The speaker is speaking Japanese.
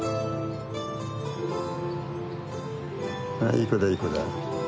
いい子だいい子だ。